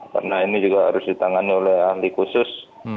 karena ini juga harus ditangani oleh ahli khusus